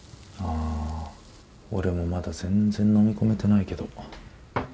あぁ俺もまだ全然飲み込めてないけど。